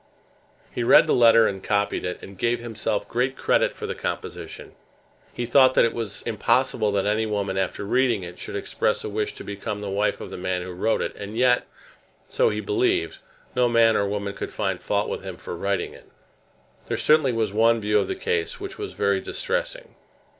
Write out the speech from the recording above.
He read the letter and copied it, and gave himself great credit for the composition. He thought that it was impossible that any woman after reading it should express a wish to become the wife of the man who wrote it; and yet, so he believed, no man or woman could find fault with him for writing it. There certainly was one view of the case which was very distressing.